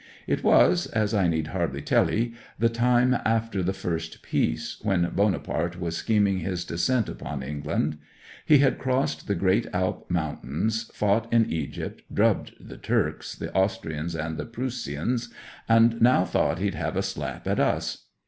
It was, as I need hardly tell ye, the time after the first peace, when Bonaparte was scheming his descent upon England. He had crossed the great Alp mountains, fought in Egypt, drubbed the Turks, the Austrians, and the Proossians, and now thought he'd have a slap at us.